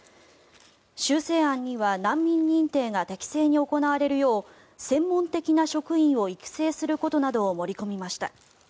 修正案には難民認定が適正に行われるよう専門的な職員を育成することなどを盛り込みました。